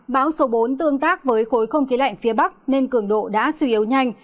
bão số bốn tương tác với khối không khí lạnh phía bắc nên cường độ đã suy yếu nhanh